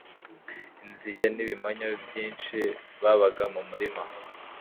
Inzige n'ibimonyo byinshi babaga mu murima.